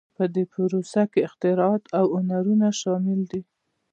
په دې پروسه کې اختراعات او هنرونه شامل دي.